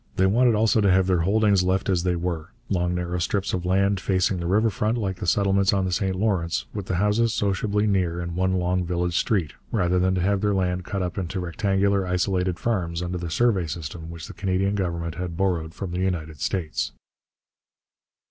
They wanted also to have their holdings left as they were, long narrow strips of land facing the river front, like the settlements on the St Lawrence, with the houses sociably near in one long village street, rather than to have their land cut up into rectangular, isolated farms under the survey system which the Canadian Government had borrowed from the United States.